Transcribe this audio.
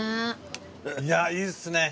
いやいいですね。